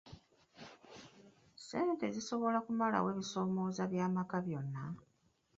Ssente zisobola okumalawo ebisoomooza by'amaka byonna?